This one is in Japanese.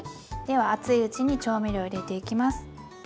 では熱いうちに調味料入れていきます。